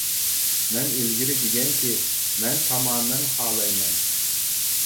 مەن ئىلگىرى دېگەنكى مەن تامامەن خالايمەن.